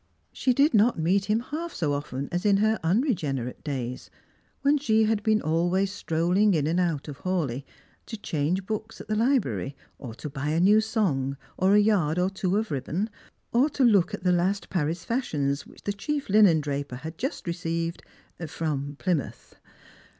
She did not meet him halt Bo often as in her unregenerate days, when she had been always strolling in and out of Hawleigh, to change books at the library; or to buy a new song, or a yard or two of ribbon ; or to look at the last Paris fashions, which the chief linendraper had just received — from Plymouth.